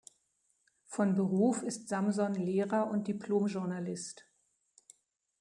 Von Beruf ist Samson Lehrer und Diplom-Journalist.